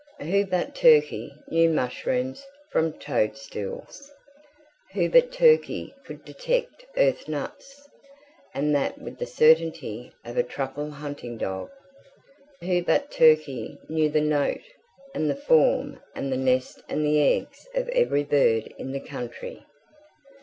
Who but Turkey knew mushrooms from toadstools? Who but Turkey could detect earth nuts and that with the certainty of a truffle hunting dog? Who but Turkey knew the note and the form and the nest and the eggs of every bird in the country?